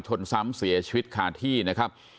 ชนซ้ำเสียชีวิตคาที่นะครับ